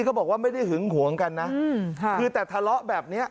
เขาบอกว่าไม่ได้หึงหวงกันนะคือแต่ทะเลาะแบบนี้